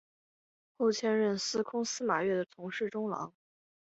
后迁任司空司马越的从事中郎。